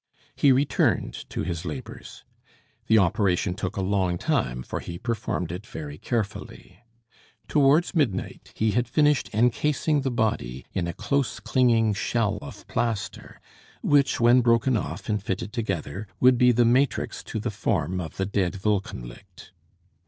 He returned to his labours. The operation took a long time, for he performed it very carefully. Towards midnight, he had finished encasing the body in a close clinging shell of plaster, which, when broken off, and fitted together, would be the matrix to the form of the dead Wolkenlicht.